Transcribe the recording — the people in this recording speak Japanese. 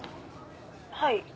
「はい」